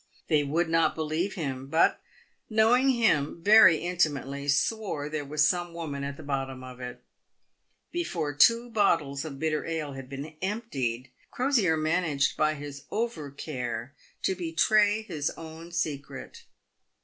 They would not believe him, but, knowing him very inti mately, swore there was some woman at the bottom of it. Before two bottles of bitter ale had been emptied, Crosier managed by his over care to betray his own secret.